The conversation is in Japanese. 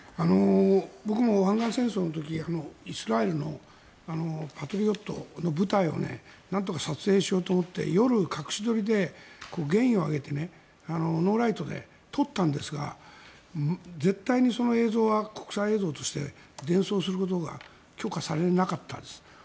僕も湾岸戦争の時イスラエルのパトリオットの部隊をなんとか撮影しようと思って夜、隠し撮りでゲインを上げてノーライトで撮ったんですが絶対にその映像は国際映像として伝送することが許可されなかったんです。